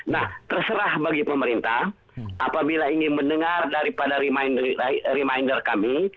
nah terserah bagi pemerintah apabila ingin mendengar daripada reminder kami